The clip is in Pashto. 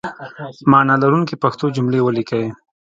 معنی لرونکي پښتو جملې ولیکئ!